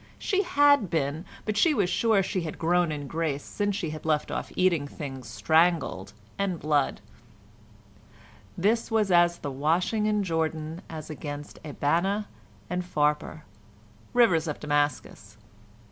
She had been, but she was sure she had grown in grace since she had left off eating things strangled and blood—this was as the washing in Jordan as against Abana and Pharpar, rivers of Damascus.